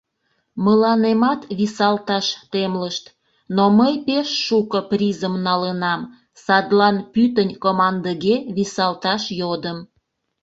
Мыланемат висалташ темлышт, но мый пеш шуко призым налынам, садлан пӱтынь командыге висалташ йодым.